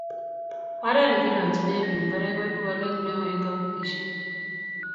Oree n ki ronchine beek mbaree koibu waleek ne oo eng kabotishe.